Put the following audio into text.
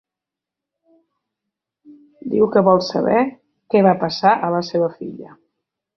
Diu que vol saber què va passar a la seva filla.